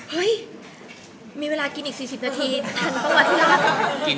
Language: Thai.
เฮ้ยมีเวลากินอีก๔๐นาทีทันประมาทที่รัก